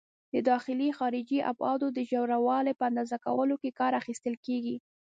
د داخلي، خارجي ابعادو او د ژوروالي په اندازه کولو کې کار اخیستل کېږي.